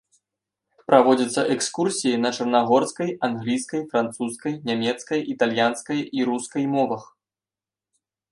Праводзяцца экскурсіі на чарнагорскай, англійскай, французскай, нямецкай, італьянскай і рускай мовах.